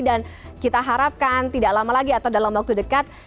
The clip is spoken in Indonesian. dan kita harapkan tidak lama lagi atau dalam waktu dekat